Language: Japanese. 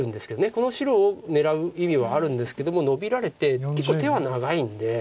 この白を狙う意味はあるんですけどもノビられて結構手は長いんで。